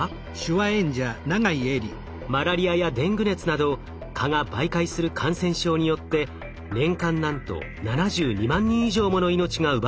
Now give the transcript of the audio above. マラリアやデング熱など蚊が媒介する感染症によって年間なんと７２万人以上もの命が奪われています。